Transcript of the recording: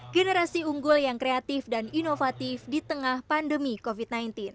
generasi unggul yang kreatif dan inovatif di tengah pandemi covid sembilan belas